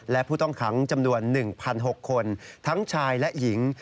และผู้ต้องขังจำนวน๑๖คนทั้งชายและหญิง